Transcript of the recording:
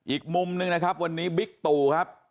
อีกมุมนึงนะครับวันนี้บิ๊กตู่ครับ